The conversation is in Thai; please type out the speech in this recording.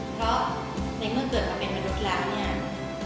เพราะในเมื่อเกิดเราเป็นมนุษย์แล้วเนี่ย